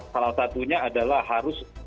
salah satunya adalah harus